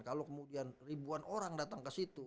kalau kemudian ribuan orang datang ke situ